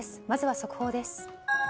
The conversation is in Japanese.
まずは速報です。